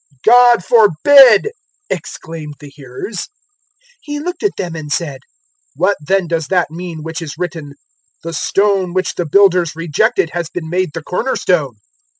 "God forbid!" exclaimed the hearers. 020:017 He looked at them and said, "What then does that mean which is written, "`The Stone which the builders rejected has been made the cornerstone'?